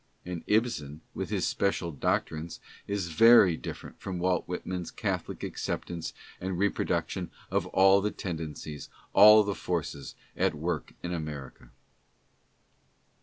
And Ibsen, with his special doctrines, is very different from Walt Whitman's catholic acceptance and reproduction of all the tendencies, all the forces, at work in America.